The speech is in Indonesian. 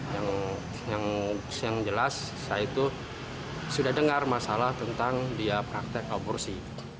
yang jelas saya itu sudah dengar masalah tentang dia praktek aborsi